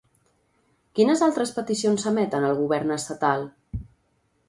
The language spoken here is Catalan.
Quines altres peticions s'emeten al govern estatal?